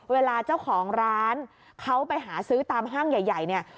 เวลาเจ้าของร้านเขาไปหาซื้อตามห้างใหญ่เนี่ย